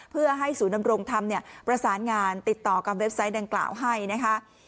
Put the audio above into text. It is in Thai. เพื่อให้ศูนย์ดำรงธรรมประสานงานติดต่อกับเว็บไซต์ดังกล่าวให้นะคะ